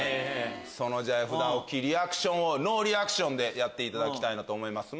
普段大きいリアクションをノーリアクションでやっていただきたいと思います。